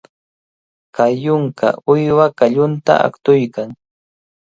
Kay yunka uywa qallunta aqtuykan.